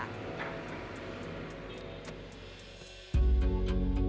dinasumberdaya air provinsi dki jakarta